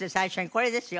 これですよ。